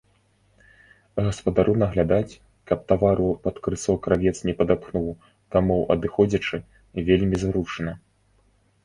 Гаспадару наглядаць, каб тавару пад крысо кравец не падапхнуў, дамоў адыходзячы, вельмі зручна.